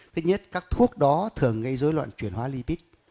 thứ nhất các thuốc đó thường gây dối loạn chuyển hóa libic